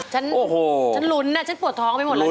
ชั้นลุ้นปวดท้องไปหมดแล้วนี่